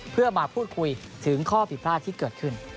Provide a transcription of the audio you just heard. เพื่อมาพูดคุยถึงข้อผิดพลาดที่เกิดขึ้น